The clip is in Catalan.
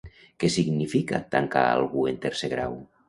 Què significa tancar algú en tercer grau?